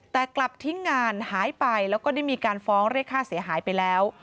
แต่กลับทิ้งงานหายไปแล้วก็ได้มีการฟ้องเรียกค่าเสียหายไปแล้ว